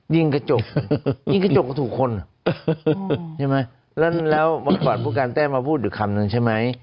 ยิงกระจกยิงกระจกก็ถูกคนใช่ไหมแล้วเมื่อก่อนผู้การแต้มมาพูดอยู่คำนึงใช่ไหม